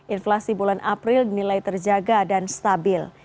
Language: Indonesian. inflasi bulan april dinilai terjaga dan stabil